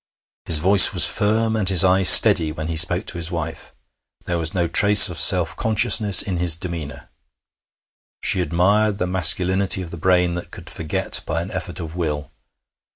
His voice was firm and his eye steady when he spoke to his wife; there was no trace of self consciousness in his demeanour. She admired the masculinity of the brain that could forget by an effort of will.